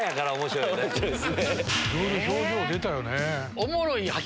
いろいろ表情出たよね。